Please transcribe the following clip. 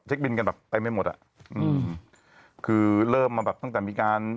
บินกันแบบเต็มไม่หมดอ่ะอืมคือเริ่มมาแบบตั้งแต่มีการ